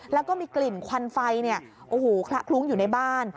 แล้วก็มีกลิ่นควันไฟเนี่ยโอ้โหคละครุ้งอยู่ในบ้าน